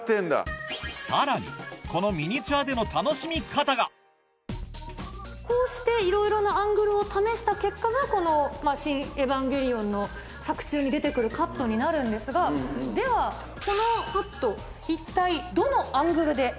さらにこのこうしていろいろなアングルを試した結果がこの『シン・エヴァンゲリオン』の作中に出て来るカットになるんですがではこのカット一体。